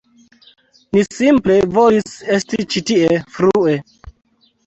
Ni simple volis esti ĉi tie frue